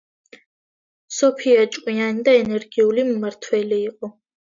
სოფია ჭკვიანი და ენერგიული მმართველი იყო.